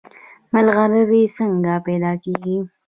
ملغلرې څنګه پیدا کیږي؟